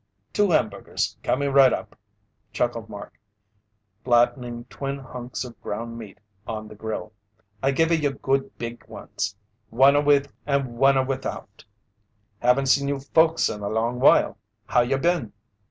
"Two hamburgers coming right up," chuckled Mark, flattening twin hunks of ground meat on the grill. "I giva you good beeg ones. One a with, and one a without. Haven't seen you folks in a long while. How you been?"